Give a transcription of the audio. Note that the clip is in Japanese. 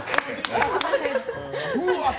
うわっ！